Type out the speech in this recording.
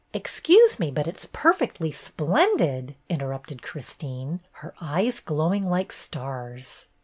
"Excuse me, but it's perfectly splendid!" interrupted Christine, her eyes glowing like stars.